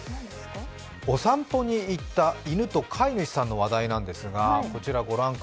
お散歩に行った犬と飼い主さんの話題なんです。